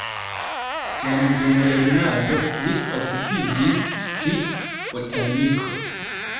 Jam dum lernado li okupiĝis pri botaniko.